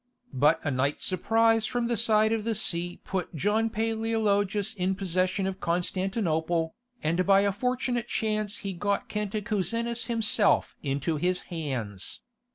But a night surprise from the side of the sea put John Paleologus in possession of Constantinople, and by a fortunate chance he got Cantacuzenus himself into his hands.